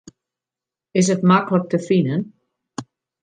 Is it maklik te finen?